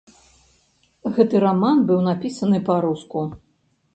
Гэты раман быў напісаны па-руску.